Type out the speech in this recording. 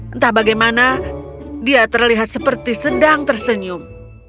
entah bagaimana dia terlihat seperti sedang tersenyum